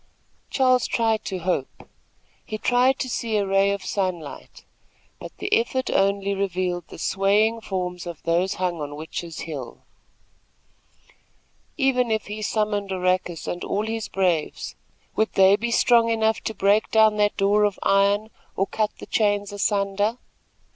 Charles tried to hope. He tried to see a ray of sunlight; but the effort only revealed the swaying forms of those hung on Witches' Hill. Even if he summoned Oracus and all his braves, would they be strong enough to break down that door of iron, or cut the chains asunder!